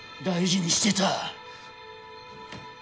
大事にしてた。